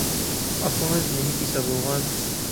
ئاپىڭىز نېمە كېسەل بولغان؟